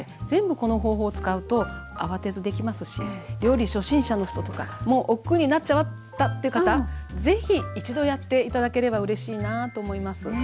全部この方法を使うとあわてずできますし料理初心者の人とかもうおっくうになっちゃったっていう方是非一度やって頂ければうれしいなと思います。